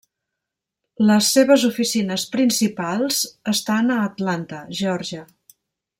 Les seves oficines principals estan a Atlanta, Geòrgia.